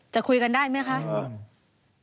จะคุยกันได้ไหมคะ